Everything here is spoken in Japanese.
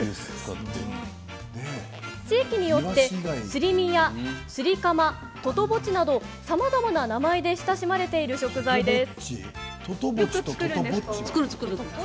地域によって、すり身やすりかま、ととぼちなどさまざまな名前で親しまれている食材です。